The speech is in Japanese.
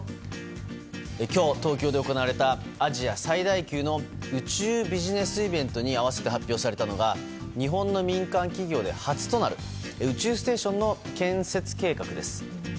今日、東京で行われたアジア最大級の宇宙ビジネスイベントに合わせて発表されたのが日本の民間企業で初となる宇宙ステーションの建設計画です。